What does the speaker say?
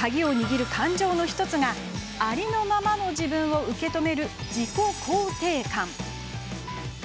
鍵を握る感情の１つがありのままの自分を受け止める自己肯定感。